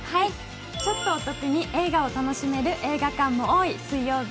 ちょっとお得に映画を楽しめる映画館も多い水曜日。